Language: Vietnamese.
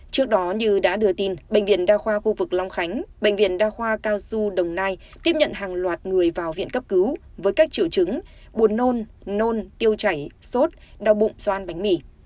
trước đó như đã đưa tin bệnh viện đa khoa khu vực long khánh bệnh viện đa khoa cao xu đồng nai tiếp nhận hàng loạt người vào viện cấp cứu với các triệu chứng buồn nôn nôn tiêu chảy sốt đau bụng xoan bánh mì